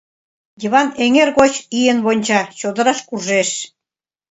Йыван эҥер гоч ийын вонча, чодыраш куржеш.